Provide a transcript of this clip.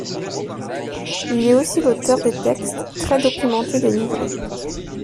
Il est aussi l'auteur des textes très documentés des livrets.